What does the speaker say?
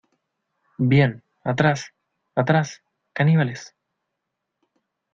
¡ Bien, atrás! ¡ atrás , caníbales !